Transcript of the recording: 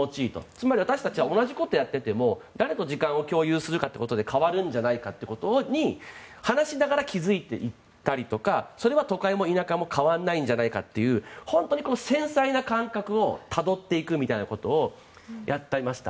つまり私たちは同じことをやっていても誰と時間を共有するかってことで変わるんじゃないかってことに話しながら気付いていったりとかそれは都会も田舎も変わらないんじゃないかという本当に繊細な感覚をたどっていくみたいなことをやっていました。